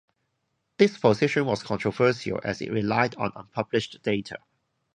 This position was controversial as it relied on unpublished data.